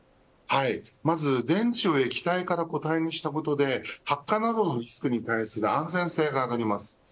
まず、電池を液体から固体にしたことで発火などのリスクに対する安全性が上がります。